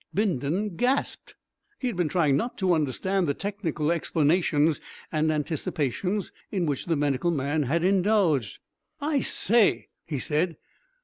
Bindon gasped. He had been trying not to understand the technical explanations and anticipations in which the medical man had indulged. "I say!" he said.